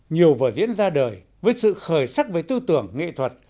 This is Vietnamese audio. nhiều vở diễn ra đời với sự khởi sắc về tư tưởng nghệ thuật